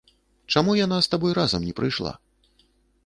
Чаму яна з табой разам не прыйшла?